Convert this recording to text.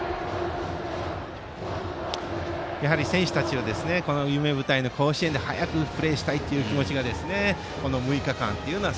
やはり選手たちは夢舞台の甲子園で早くプレーしたいという気持ちがこの６日間というのは